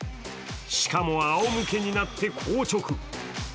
しかも、あおむけになって硬直。